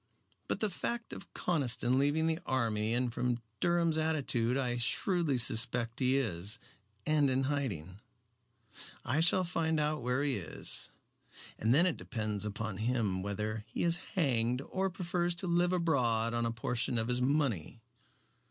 But the fact of Conniston leaving the army and from Durham's attitude I shrewdly suspect he is, and in hiding. I shall find out where he is, and then it depends upon him whether he is hanged or prefers to live abroad on a portion of his money."